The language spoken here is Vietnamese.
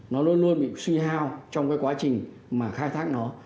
nó luôn luôn bị suy hao trong cái quá trình mà khai thác nó